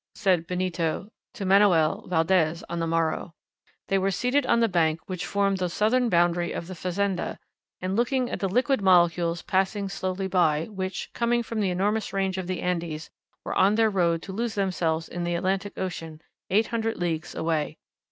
said Benito to Manoel Valdez, on the morrow. They were sitting on the bank which formed the southern boundary of the fazenda, and looking at the liquid molecules passing slowly by, which, coming from the enormous range of the Andes, were on their road to lose themselves in the Atlantic Ocean eight hundred leagues away.